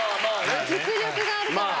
実力があるから。